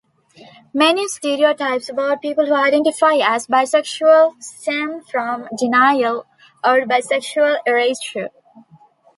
Many stereotypes about people who identify as bisexual stem from denial or bisexual erasure.